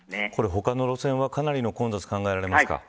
他の路線はかなりの混雑が考えられますか。